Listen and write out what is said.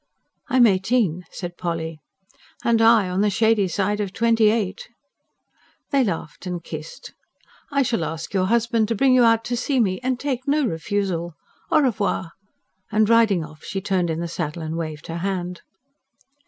"I am eighteen," said Polly. "And I on the shady side of twenty eight!" They laughed and kissed. "I shall ask your husband to bring you out to see me. And take no refusal. AU REVOIR!" and riding off, she turned in the saddle and waved her hand.